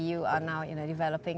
anda sekarang berkembang dan berkembang